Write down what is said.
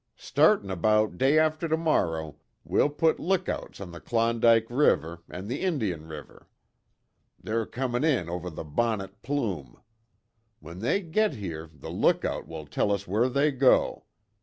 Startin' about day after tomorrow, we'll put lookouts on the Klondike River, an' the Indian River. They're comin' in over the Bonnet Plume. When they git here the lookout will tell us where they go.